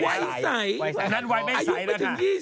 อายุไม่ถึง๒๐